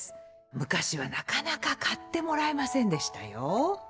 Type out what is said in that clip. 昔はなかなか買ってもらえませんでしたよ。